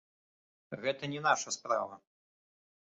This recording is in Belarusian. Гэта не наша справа.